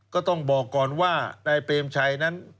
ก็ต้องบอกก่อนว่านายเปรมชัยนั้น